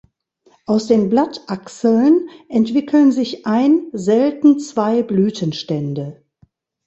Aus den Blattachseln entwickeln sich ein, selten zwei Blütenstände.